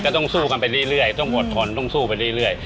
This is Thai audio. ต้องสู้กันไปเรื่อยต้องอดทนต้องสู้ไปเรื่อย